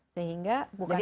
sehingga bukan hanya